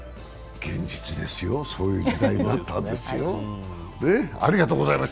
現実よ、そういう時代になったんですよ。